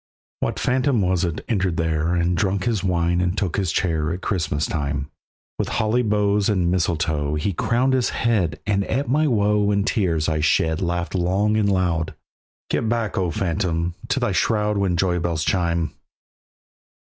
What phantom was it entered there And drank his wine and took his chair At Christmas time? With holly boughs and mistletoe He crowned his head, and at my woe And tears I shed laughed long and loud; "Get back, O phantom! to thy shroud When joy bells chime."